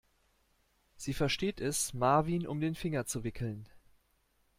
Sie versteht es, Marvin um den Finger zu wickeln.